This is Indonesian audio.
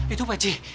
itu pak haji